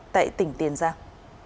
tại tỉnh tiền giang